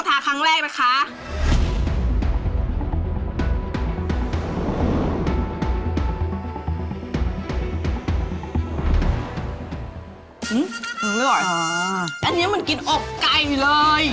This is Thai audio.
อันนี้เหมือนกลิ่นอกไก่ดีเลย